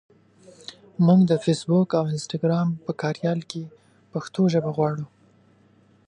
مونږ د فېسبوک او انسټګرام په کاریال کې پښتو ژبه غواړو.